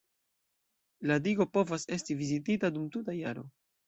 La digo povas esti vizitita dum tuta jaro.